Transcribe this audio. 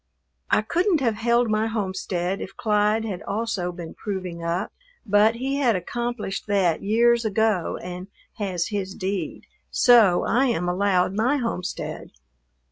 I couldn't have held my homestead if Clyde had also been proving up, but he had accomplished that years ago and has his deed, so I am allowed my homestead.